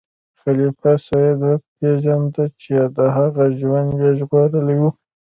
خلیفه سید وپیژنده چې د هغه ژوند یې ژغورلی و.